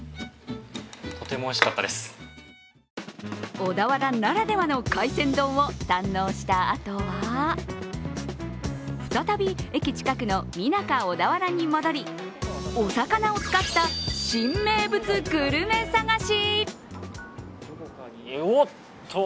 小田原ならではの海鮮丼を堪能したあとは再び駅近くのミナカ小田原に戻りお魚を使った新名物グルメ探し。